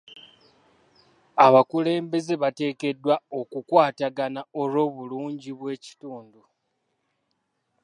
Abakulembeze bateekeddwa okukwatagana olw'obulungi bw'ekitundu.